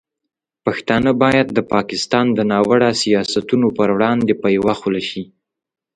پښتانه باید د پاکستان د ناوړه سیاستونو پر وړاندې په یوه خوله شي.